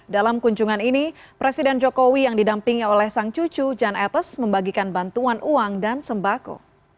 dalam kunjungan ini presiden jokowi yang didampingi oleh sang cucu jan etes membagikan bantuan uang dan sembako